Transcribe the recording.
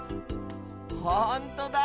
ほんとだ。